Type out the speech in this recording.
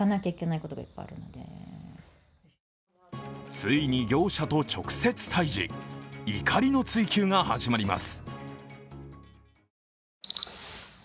ついに業者と直接対峙、怒りの追及が始まります。